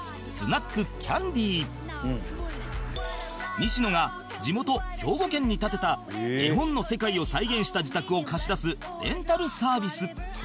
西野が地元兵庫県に建てた絵本の世界を再現した自宅を貸し出すレンタルサービス